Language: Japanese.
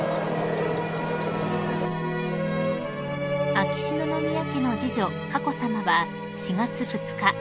［秋篠宮家の次女佳子さまは４月２日